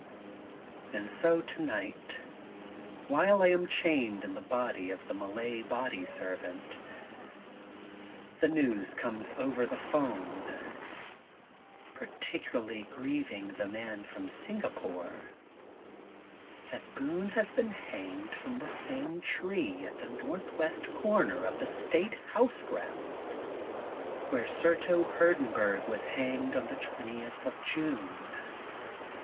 And so tonight, while I am chained in the body of the Malay body servant, the news comes over the phone, particularly grieving the Man from Singapore, that Boone has been hanged from the same tree at the northwest comer of the State House ground, where Surto Hurdenburg was hanged on the twen tieth of June.